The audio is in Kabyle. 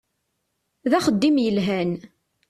D axeddim yelhan.